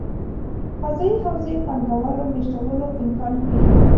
قضايي حوزې پانګه والو مېشتولو امکان ښيي.